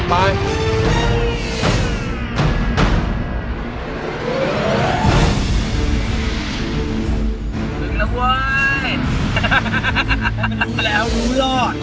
ถึงแล้วเว้ยรู้แล้วรู้แล้ว